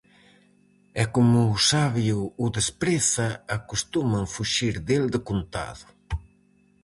E como o sabio o despreza, acostuman fuxir del decontado.